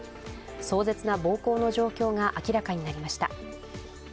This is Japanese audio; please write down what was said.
壮絶な暴行の状況が明らかになりました。